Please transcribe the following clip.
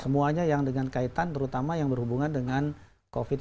semuanya yang dengan kaitan terutama yang berhubungan dengan covid sembilan belas